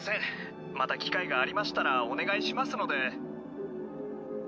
また機会がありましたらお願いしますので。